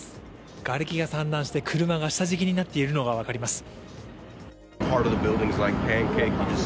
がれきが散乱して車が下敷きになっているのが分かります。